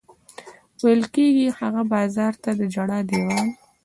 ویل کېږي هغه بازار د ژړا دېوال.